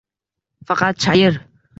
Faqat chayir